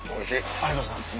ありがとうございます。